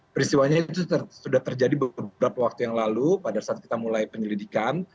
peristiwanya itu sudah terjadi beberapa waktu yang lalu pada saat kita mulai penyelidikan